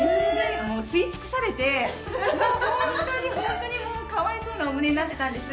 もう吸い尽くされてホントにホントにもうかわいそうなお胸になってたんです。